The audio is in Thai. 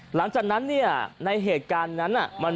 หลังจากนั้นเนี่ยในเหตุการณ์นั้น